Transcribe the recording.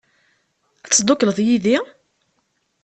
Ad teddukleḍ yid-i?